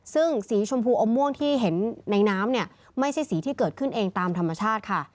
ซึ่งสีชมพูอมม่วงที่เห็นในน้ำเนี่ยไม่ใช่สีที่เกิดขึ้นเองตามธรรมชาติค่ะ